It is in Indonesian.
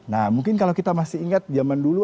nah mungkin kalau kita masih ingat zaman dulu